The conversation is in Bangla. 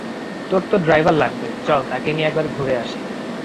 তোর তো ড্রাইভার লাগবে, চল তাকে নিয়ে একবার ঘুরে আসি।